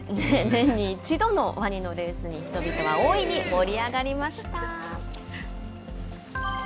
年に一度のワニのレースに人々は大いに盛り上がりました。